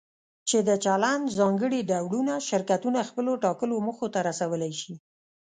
چې د چلند ځانګړي ډولونه شرکتونه خپلو ټاکلو موخو ته رسولی شي.